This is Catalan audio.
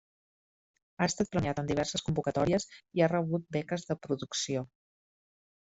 Ha estat premiat en diverses convocatòries i ha rebut beques de producció.